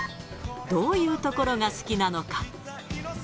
どういうところが好きなのか？